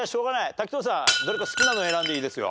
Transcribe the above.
滝藤さんどれか好きなの選んでいいですよ。